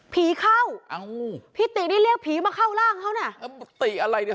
ผีเข้าเอาพี่ตินี่เรียกผีมาเข้าร่างเขาน่ะแล้วติอะไรเนี่ย